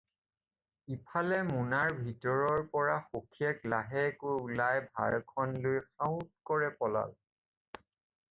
ইফালে মোনাৰ ভিতৰৰ পৰা সখিয়েক লাহেকৈ ওলাই ভাৰখন লৈ সাউৎকৰে পলাল।